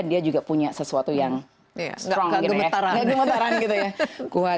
dia juga punya sesuatu yang kuat